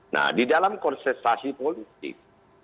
nah di dalam konsentrasi politik